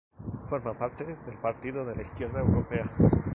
Forma parte del Partido de la Izquierda Europea.